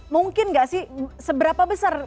mungkin nggak sih seberapa besar